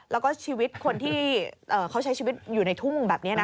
แล้วก็ชีวิตคนที่เขาใช้ชีวิตอยู่ในทุ่งแบบนี้นะ